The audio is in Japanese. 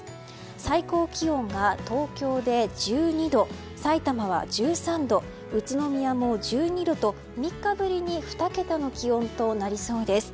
最高気温が東京で１２度さいたまは１３度宇都宮も１２度と３日ぶりに２桁の気温となりそうでです。